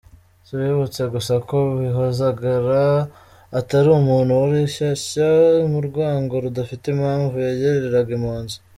Tubibutse gusa ko Bihozagara atari umuntu wari shyashya mu rwango rudafite impamvu yagiriraga impunzi.